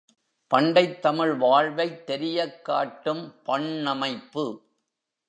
பண்டைத் தமிழ் வாழ்வைத் தெரியக் காட்டும் பண்ணமைப்பு!